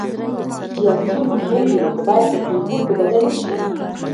سیاسیون مهم دي خو باید په زبېښونکو بدل نه شي